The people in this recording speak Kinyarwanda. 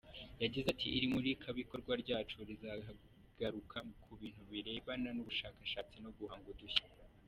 Yagize ati “Iri murikabikorwa ryacu rizagaruka ku bintu birebana n’ubushakashatsi no guhanga udushya.